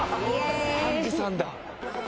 ハンジさんだ。